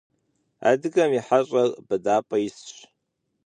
Адыгэм и хьэщӏэр быдапӏэ исщ.